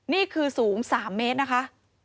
นี่คือสูง๓เมตรนะคะ